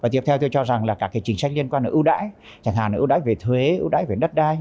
tiếp theo tôi cho rằng là các chính sách liên quan đến ưu đãi chẳng hạn là ưu đãi về thuế ưu đãi về đất đai